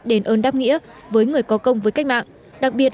đền ơn đáp nghĩa với người có công với cách mạng